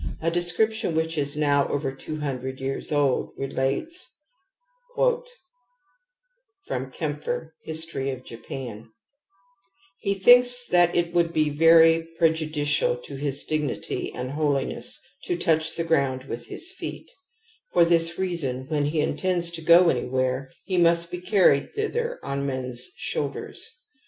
A description which is now over two hundred years old^* relates: "He thinks that it would be very prejudicial to his dignity and holiness to touch the ground with his feet ; for this reason when he intends to go anywhere, he must be carried thither on men's shoulders.